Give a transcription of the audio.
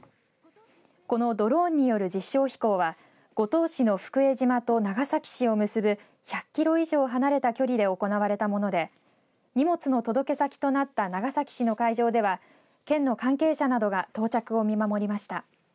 このドローンによる実証飛行は五島市の福江島と長崎市を結ぶ１００キロ以上離れた距離で行われたもので荷物の届け先となった長崎市の会場では県の関係者などが到着を見守りました。